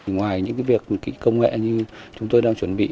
ngoài những việc công nghệ như chúng tôi đang chuẩn bị